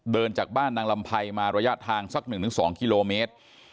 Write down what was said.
เดินจากบ้านนางลำไพรมาระยะทางสัก๑๒กิโลเมตร